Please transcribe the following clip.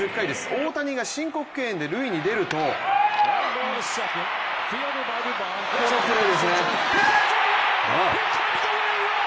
大谷が申告敬遠で塁に出るとこのプレーですね。